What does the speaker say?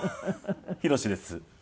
ヒロシです。